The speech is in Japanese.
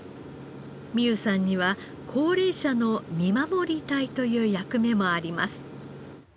美有さんには高齢者の見守り隊という役目もあります。